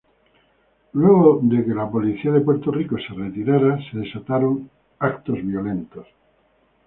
Luego de que la Policía de Puerto Rico se retirara, se desataron eventos violentos.